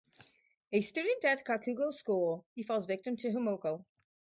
A student at Kakugo's school, he falls victim to Hamuko.